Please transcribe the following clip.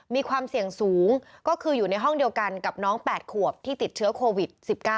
มีความเสี่ยงสูงก็คืออยู่ในห้องเดียวกันกับน้อง๘ขวบที่ติดเชื้อโควิด๑๙